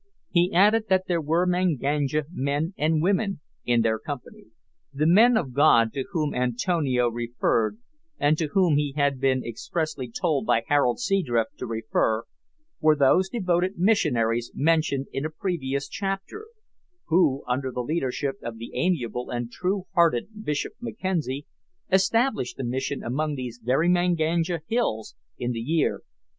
He added that there were Manganja men and women in their company. The "men of God" to whom Antonio referred, and to whom he had been expressly told by Harold Seadrift to refer, were those devoted missionaries mentioned in a previous chapter, who, under the leadership of the amiable and true hearted Bishop Mackenzie, established a mission among these very Manganja hills in the year 1861.